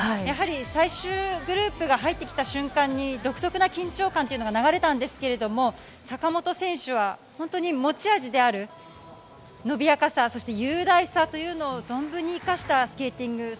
やはり最終グループが入ってきた瞬間に独特の緊張感というのが流れたんですが坂本選手は本当に持ち味である伸びやかさ、雄大さを存分に生かしたスケーティング。